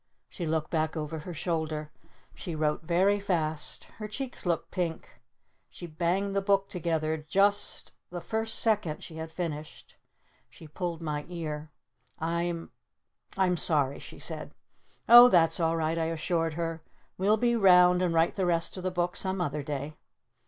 She looked back over her shoulder. She wrote very fast. Her cheeks looked pink. She banged the book together just the first second she had finished. She pulled my ear. "I'm I'm sorry," she said. "Oh, that's all right," I assured her. "We'll be round and write the rest of the book some other day!"